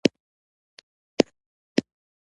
انسان له احمقانو سره مخ کېږي.